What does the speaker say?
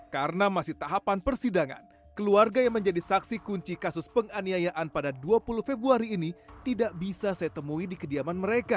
karena masih tahapan persidangan keluarga yang menjadi saksi kunci kasus penganiayaan pada dua puluh februari ini tidak bisa saya temui di kediaman mereka